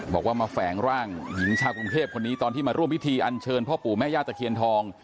บอกว่ามาแฝงร่างหญิงชาวกรุงเทพคนนี้ตอนที่มาร่วมพิธีอันเชิญพ่อปู่แม่ย่าตะเคียนทอง